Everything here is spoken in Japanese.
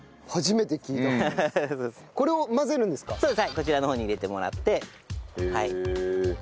こちらの方に入れてもらってで塩も。